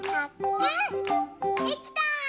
できた！